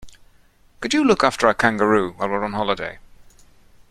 Could you look after our kangaroo while we're on holiday?